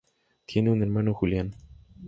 Tiene un hermano, Julian.